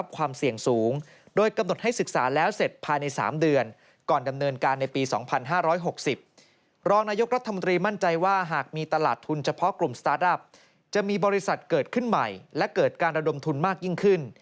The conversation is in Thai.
เกิดขึ้นใหม่และเกิดการระดมทุนมากยิ่งขึ้น